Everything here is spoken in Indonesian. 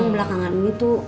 belakangan ini tuh